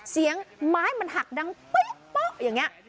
เสียงไม้มันหักดังเป๊ะอย่างนี้